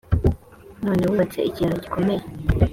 None wubatse ikiraro gikomeye